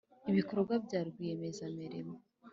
ibikorwa bya rwiyemezamirimo